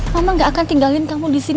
mama gak akan tinggalin kamu disini